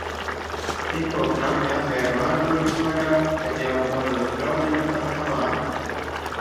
Tikko knapi atveru ārdurvis vaļā, kad jau pa mazo spraudziņu atkal ārā.